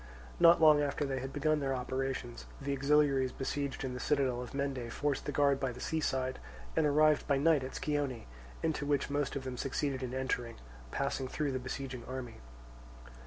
Not long after they had begun their operations, the auxiliaries besieged in the citadel of Mende forced the guard by the sea side and arrived by night at Scione, into which most of them succeeded in entering, passing through the besieging army.